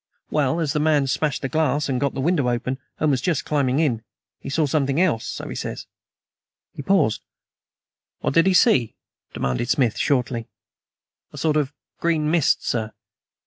"Well, as the man smashed the glass and got the window open, and was just climbing in, he saw something else, so he says." He paused. "What did he see?" demanded Smith shortly. "A sort of GREEN MIST, sir.